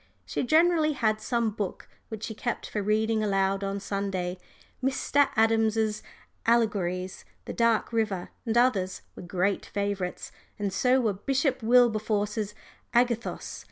She generally had some book which she kept for reading aloud on Sunday Dr. Adams's Allegories, "The Dark River" and others, were great favourites, and so were Bishop Wilberforce's Agathos.